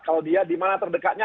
kalau dia di mana terdekatnya